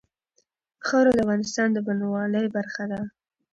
خاوره د افغانستان د بڼوالۍ برخه ده.